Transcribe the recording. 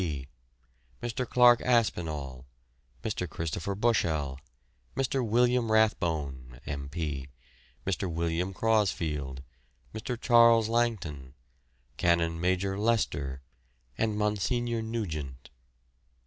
P., Mr. Clarke Aspinall, Mr. Christopher Bushell, Mr. William Rathbone, M.P., Mr. William Crosfield, Mr. Charles Langton, Canon Major Lester, and Monsignor Nugent.